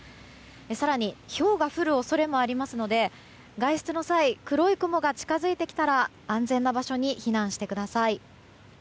更に、ひょうが降る恐れもありますので外出の際黒い雲が近づいてきたら安全な場所に避難してください。